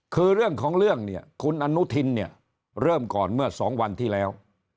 คือเรื่องของเรื่องเนี่ยคุณอนุทินเนี่ยเริ่มก่อนเมื่อ๒วันที่แล้ว